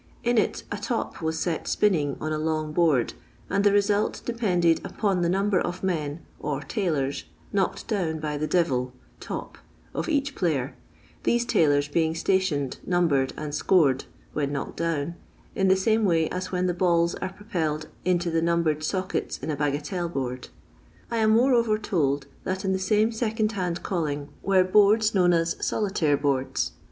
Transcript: In it a top was set spinning on a long board, and the result depended upon the number of men, or "tailors," knocked down by the "devil" (top) of each player, these tailors being stationed, numbered, and scored (when knockeid down) in the same way as when the balls are propelled into the numbered sockets in a bagatelle board. I am moreover told that in the same second hand calling were boards known as " solitaire boords."